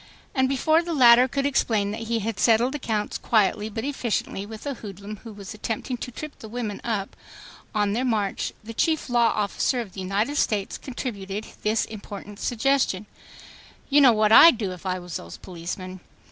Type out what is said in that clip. And before the latter could explain that he had settled accounts quietly but efficiently with a hoodlum who was attempting to trip the women up on their march, the chief law officer of the United States contributed this important suggestion: "You know what I'd do if I was those policemen.